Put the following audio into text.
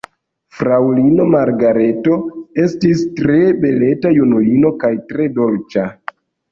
Fraŭlino Margareto estis tre beleta junulino kaj tre dolĉa.